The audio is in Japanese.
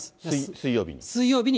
水曜日に？